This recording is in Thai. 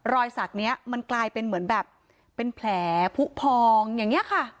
รอยสักนี้มันกลายเป็นเหมือนแบบเป็นแผลผู้พองอย่างนี้ค่ะ